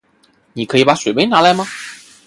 你可以把水杯拿来吗？